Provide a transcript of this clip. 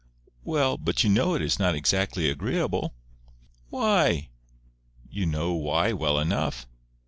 "Well, but you know it is not exactly agreeable." "Why?" "You know why well enough."